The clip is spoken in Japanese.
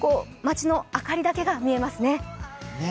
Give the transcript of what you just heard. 街の明かりだけが見えますね。